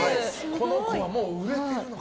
この子はもう売れてるのか。